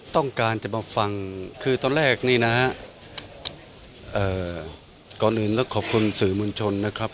ต้องการมาฟังตอนแรกขอขอบคุณสื่อมวลชนนะครับ